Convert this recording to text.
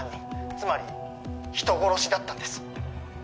つまり人殺しだったんです